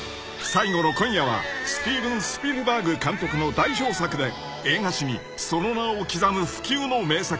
［最後の今夜はスティーヴン・スピルバーグ監督の代表作で映画史にその名を刻む不朽の名作］